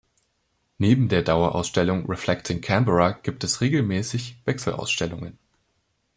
Neben der Dauerausstellung "Reflecting Canberra" gibt es regelmäßig Wechselausstellungen.